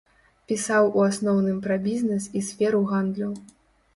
Пісаў у асноўным пра бізнэс і сферу гандлю.